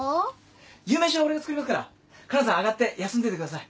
夕飯は俺が作りますからかなさん上がって休んでてください。